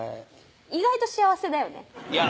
意外と幸せだよねいや